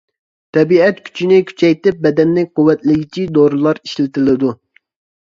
تەبىئەت كۈچىنى كۈچەيتىپ بەدەننى قۇۋۋەتلىگۈچى دورىلار ئىشلىتىلىدۇ.